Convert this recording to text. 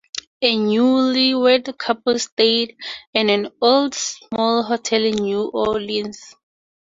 A newlywed couple stay at an old small hotel in New Orleans.